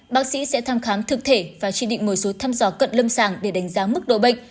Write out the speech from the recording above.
bác sĩ sẽ thăm khám thực thể và chỉ định ngồi số thăm dò cận lâm sàng để đánh giá mức độ bệnh